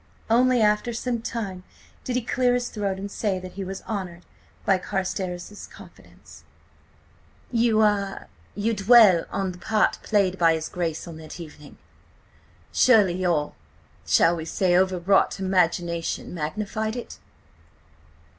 Only after some time did he clear his throat and say that he was honoured by Carstares' confidence. "You–ah–you dwell on the part played by his Grace on that evening. Surely your–shall we say–overwrought imagination magnified that?"